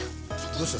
どうした？